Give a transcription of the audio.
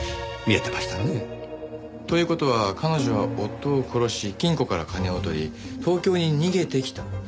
見えてましたね。という事は彼女は夫を殺し金庫から金を取り東京に逃げてきた。